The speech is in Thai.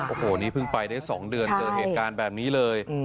โอ้โหนี่เพิ่งไปได้๒เดือนเจอเหตุการณ์แบบนี้เลย